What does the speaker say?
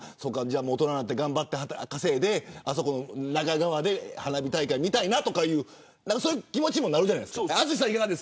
大人になって頑張って稼いで中側で花火大会見たいなというそういう気持ちにもなるじゃないですか。